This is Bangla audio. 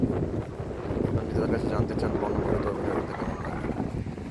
এমনকি তাঁদের কাছে জানতে চান, পর্নো মুভিতে অভিনয় করতে কেমন লাগে।